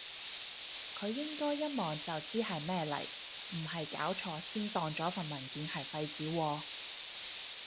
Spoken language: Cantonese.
佢應該一望就知係咩嚟，唔係搞錯先當咗份文件係廢紙喎？